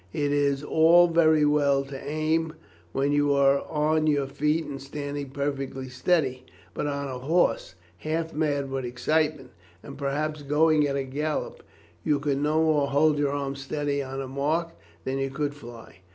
It is all very well to aim when you are on your feet and standing perfectly steady, but on a horse half mad with excitement, and perhaps going at a gallop, you could no more hold your arm steady on a mark than you could fly.